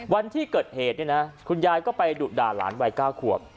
วันที่เกิดเหตุเนี่ยนะคุณยายก็ไปดุด่าหลานวัย๙ขวบ